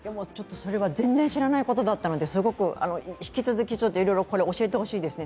それは全然知らないことだったので、引き続きいろいろ教えてほしいですね。